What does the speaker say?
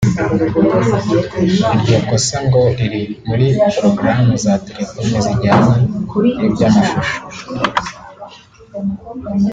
Iryo kosa ngo riri muri porogaramu za telefone zijyanye n’ibyamashusho